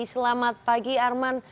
selamat pagi arman